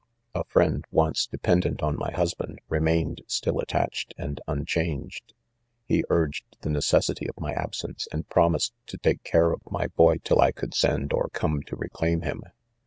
.A friend, once de pendent on my husband, remained still attach ed and unchanged. He urged the necessity of my absence, and promised to take care of my hoy till I could send or come to reclaim him.